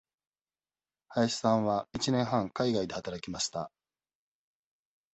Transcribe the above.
林さんは一年半海外で働きました。